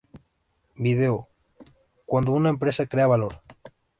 Video: ¿Cuándo una empresa crea valor?